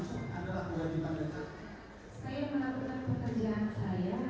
setahu saya dari jari jari saya setahu saya